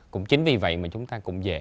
cũng chính vì vậy mà chúng ta cũng dễ